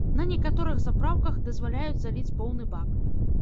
На некаторых запраўках дазваляюць заліць поўны бак.